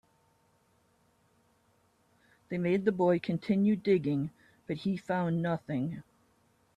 They made the boy continue digging, but he found nothing.